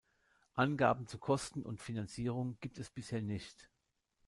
Angaben zu Kosten und Finanzierung gibt es bisher nicht.